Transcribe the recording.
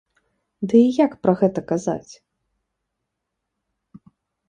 Ды і як пра гэта казаць!?